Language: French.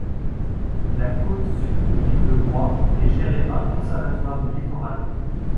La côte sud de l'île de Groix est gérée par le conservatoire du littoral.